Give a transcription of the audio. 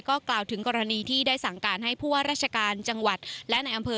ก็กล่าวถึงกรณีที่ได้สั่งการให้ผู้ว่าราชการจังหวัดและในอำเภอ